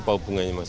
apa hubungannya mas